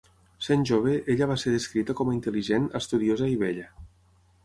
Sent jove, ella va ser descrita com a intel·ligent, estudiosa, i bella.